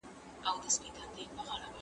څنګه د تمرین وروسته بدن انرژي ترلاسه کوي؟